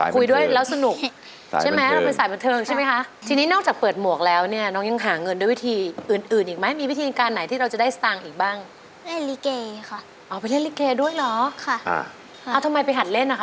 คุยด้วยแล้วสนุกใช่ไหมเป็นสายบันเทิงใช่ไหมคะชมพูนี่สดใสนะการโตตอบการคุยรู้สึกว่าจะเป็นสายแบบบันเทิง